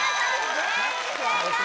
全員正解！